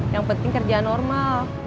yang penting kerjaan normal